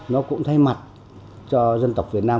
nó cũng thay mặt cho dân tộc việt nam